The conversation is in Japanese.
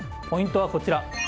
ポイントはこちら。